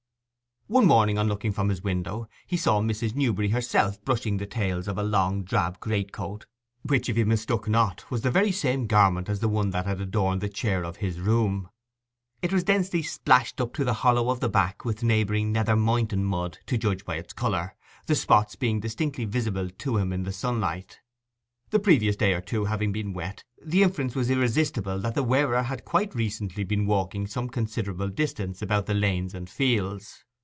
One morning, on looking from his window, he saw Mrs. Newberry herself brushing the tails of a long drab greatcoat, which, if he mistook not, was the very same garment as the one that had adorned the chair of his room. It was densely splashed up to the hollow of the back with neighbouring Nether Moynton mud, to judge by its colour, the spots being distinctly visible to him in the sunlight. The previous day or two having been wet, the inference was irresistible that the wearer had quite recently been walking some considerable distance about the lanes and fields.